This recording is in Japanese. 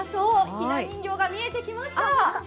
ひな人形が見えてきました。